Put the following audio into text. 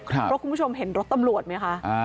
เพราะคุณผู้ชมเห็นรถตำรวจไหมคะ